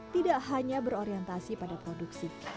tidak hanya berorientasi pada produksi